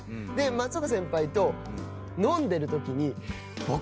松岡先輩と飲んでるときに僕。